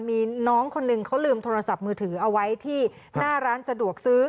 มีน้องคนหนึ่งเขาลืมโทรศัพท์มือถือเอาไว้ที่หน้าร้านสะดวกซื้อ